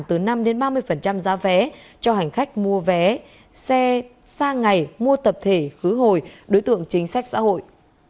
từ năm ba mươi giá vé cho hành khách mua vé xe xa ngày mua tập thể khứ hồi đối tượng chính sách xã hội